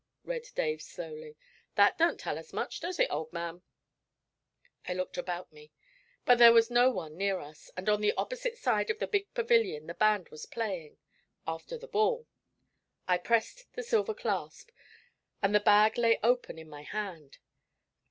read Dave slowly. 'That don't tell us much, does it, old man?' I looked about me. There was no one near us, and on the opposite side of the big pavilion the band was playing 'After the Ball.' I pressed the silver clasp, and the bag lay open in my hand.